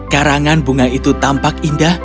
karangan bunga itu tampak indah